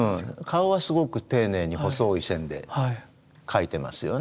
顔はすごく丁寧に細い線で描いてますよね。